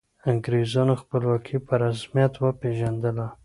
انګریزانو خپلواکي په رسمیت وپيژندله.